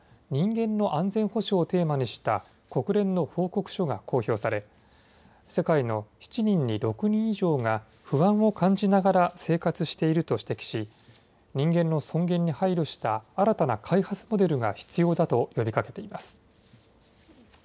人間の安全保障をテーマにした国連の報告書が公表され世界の７人に６人以上が不安を感じながら生活していると指摘し人間の尊厳に配慮した新たな開発モデルが必要だと呼びかけています。